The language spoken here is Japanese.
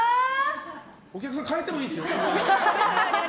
お客さん、変えてもいいですよ。